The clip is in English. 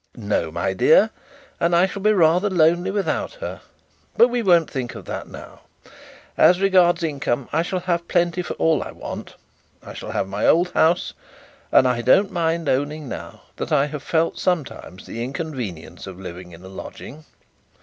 'No, my dear; and I shall be rather lonely without her; but we won't think of that now. As regards income I shall have plenty for all I want. I shall have my old house; and I don't mind owning now that I have felt sometimes the inconvenience of living in a lodging.